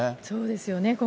そうですよね。